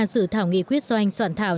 dự thảo nghị quyết doanh soạn thảo